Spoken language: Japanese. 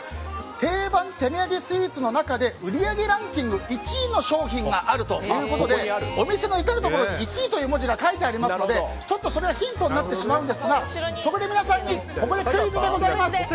定番土産スイーツの中で売り上げランキング１位の商品があるということでお店の至るところに１位という文字が書いてありますのでちょっとヒントになってしまうんですがそこで皆さんにここでクイズでございます！